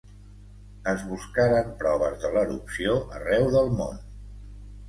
Es buscaren proves de l'erupció arreu del món.